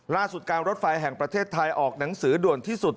การรถไฟแห่งประเทศไทยออกหนังสือด่วนที่สุด